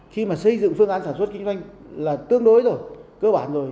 khi mà xây dựng phương án sản xuất kinh doanh là tương đối rồi cơ bản rồi